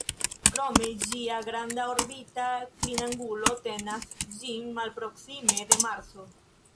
Krome, ĝia granda orbita klinangulo tenas ĝin malproksime de Marso.